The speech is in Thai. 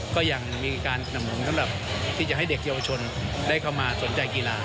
ก็ยังมีการสนับสนุนสำหรับที่จะให้เด็กเยาวชนได้เข้ามาสนใจกีฬา